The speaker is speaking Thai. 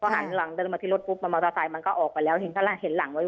หันหลังเดินมาที่รถไปทัลเมอเตอร์ไซค์ก็ออกไปแล้วเห็นหลังเว้ย